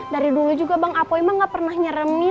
dari dulu juga bang apoi mah gak pernah nyeremin